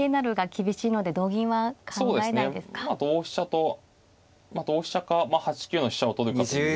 同飛車とまあ同飛車か８九の飛車を取るかという。